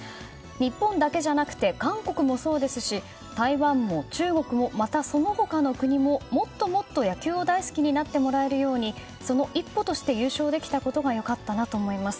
日本だけじゃなくて韓国もそうですし台湾も中国もまた、その他の国ももっともっと野球を大好きになってもらえるようにその一歩として優勝できたことが良かったなと思います。